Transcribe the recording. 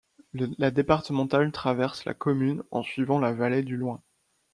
La départementale traverse la commune en suivant la vallée du Loing.